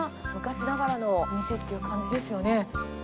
昔ながらのお店っていう感じですよね。